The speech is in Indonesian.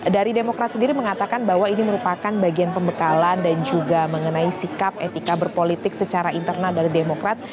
dari demokrat sendiri mengatakan bahwa ini merupakan bagian pembekalan dan juga mengenai sikap etika berpolitik secara internal dari demokrat